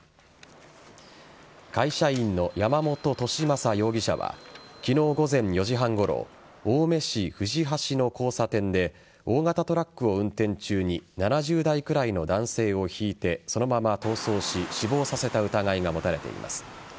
会社員の山本寿正容疑者は昨日午前４時半ごろ青梅市藤橋の交差点で大型トラックを運転中に７０代くらいの男性をひいてそのまま逃走し死亡させた疑いが持たれています。